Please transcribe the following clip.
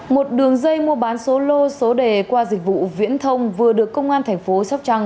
một đường dây mua bán số lô số đề qua dịch vụ viễn thông vừa được công an thành phố sóc trăng